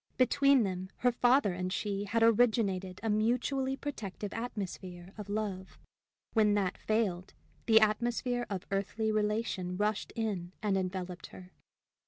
Between them her father and she had originated a mutually protective atmosphere of love; when that failed, the atmosphere of earthly relation rushed in and enveloped her.